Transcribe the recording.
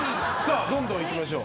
どんどんいきましょう。